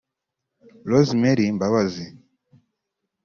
Rose Mary Mbabazi